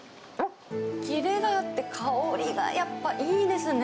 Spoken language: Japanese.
キレがあって、香りがやっぱりいいですね。